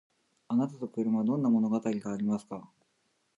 あなたと車どんな物語がありますか？